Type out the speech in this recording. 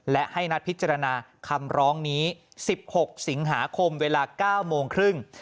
และให้นัดพิจารณาคำร้องนี้๑๖สิงหาคมเวลา๙โมงครึ่ง